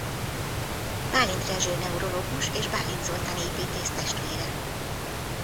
Bálint Rezső neurológus és Bálint Zoltán építész testvére.